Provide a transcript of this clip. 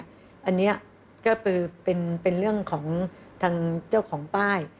อันนี้ก็คือเป็นเรื่องของทางเจ้าของป้าย